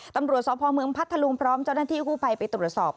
ตำรวจสอบพลเมืองพัตย์ธรุงพร้อมเจ้านักที่ผู้ไปไปตรวจสอบ